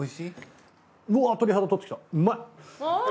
うわっ鳥肌立ってきたうまい。